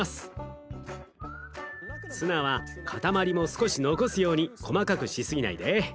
ツナは塊も少し残すように細かくしすぎないで。